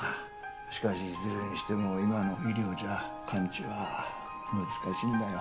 しかしいずれにしても今の医療じゃ完治は難しいんだよ